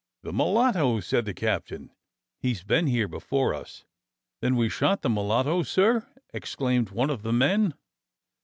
^" "The mulatto," said the captain. "He has been here before us." "Then we shot the mulatto, sir!" exclaimed one of the men.